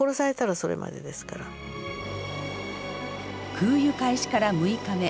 空輸開始から６日目。